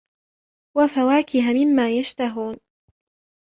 وَفَوَاكِهَ مِمَّا يَشْتَهُونَ